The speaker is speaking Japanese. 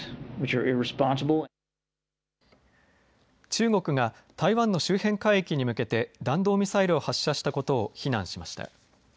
中国が台湾の周辺海域に向けて弾道ミサイルを発射したことを非難しました。